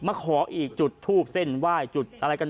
ขออีกจุดทูบเส้นไหว้จุดอะไรกัน